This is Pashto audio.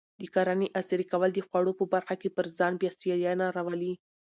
د کرنې عصري کول د خوړو په برخه کې پر ځان بسیاینه راولي.